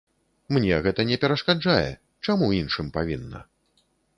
Мне гэта не перашкаджае, чаму іншым павінна?